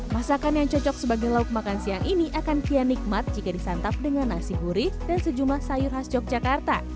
masakan yang cocok sebagai lauk makan siang ini akan kian nikmat jika disantap dengan nasi gurih dan sejumlah sayur khas yogyakarta